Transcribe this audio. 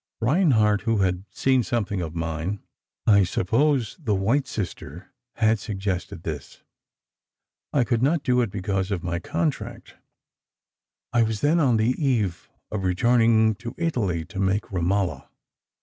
Reinhardt, who had seen something of mine—I suppose 'The White Sister'—had suggested this. I could not do it because of my contract. I was then on the eve of returning to Italy, to make 'Romola.